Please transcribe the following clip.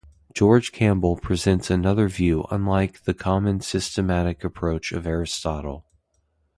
George Campbell presents another view unlike the common systematic approach of Aristotle.